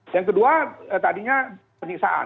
yang kedua tadinya penyiksaan